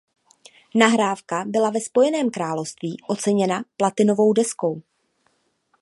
Nahrávka byla ve Spojeném království oceněna platinovou deskou.